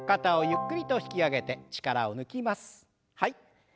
ゆっくりと引き上げて。